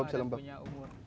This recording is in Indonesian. bisa lembab bisa punya umur